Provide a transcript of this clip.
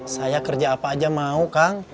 saya kerja apa aja mau kang